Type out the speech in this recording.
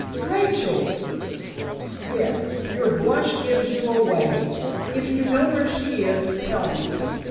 "Rachel!" "Yes, your blush gives you away. If you know where she is, tell me.